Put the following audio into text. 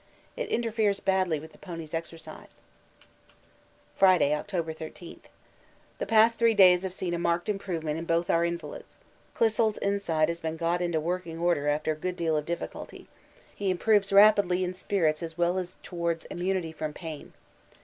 It interferes badly with the ponies' exercise. Friday, October 13. The past three days have seen a marked improvement in both our invalids. Clissold's inside has been got into working order after a good deal of difficulty; he improves rapidly in spirits as well as towards immunity from pain.